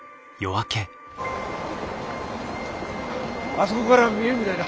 あそごがら見えるみたいだ。